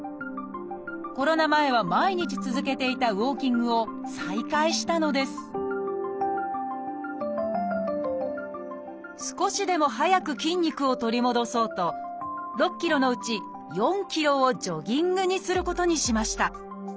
コロナ前は毎日続けていた少しでも早く筋肉を取り戻そうと６キロのうち４キロをジョギングにすることにしました。